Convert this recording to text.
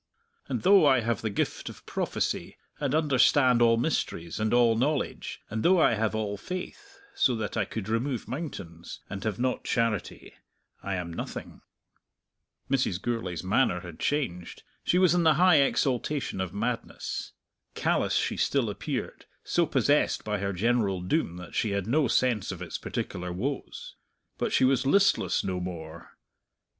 _ "_'And though I have the gift of prophecy, and understand all mysteries, and all knowledge; and though I have all faith, so that I could remove mountains, and have not charity, I am nothing.'_" Mrs. Gourlay's manner had changed: she was in the high exaltation of madness. Callous she still appeared, so possessed by her general doom that she had no sense of its particular woes. But she was listless no more.